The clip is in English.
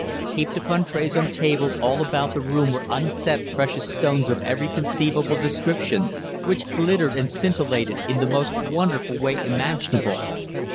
Heaped upon trays on tables all about the room were unset precious stones of every conceivable description, which glittered and scintillated in the most wonderful way imaginable.